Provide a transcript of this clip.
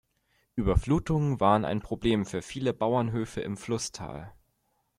Überflutungen waren ein Problem für viele Bauernhöfe im Flusstal.